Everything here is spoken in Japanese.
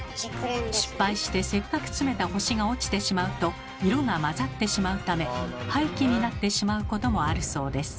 失敗してせっかく詰めた星が落ちてしまうと色が混ざってしまうため廃棄になってしまうこともあるそうです。